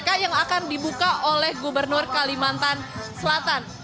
pk yang akan dibuka oleh gubernur kalimantan selatan